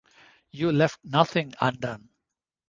You left nothing undone.